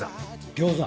餃子。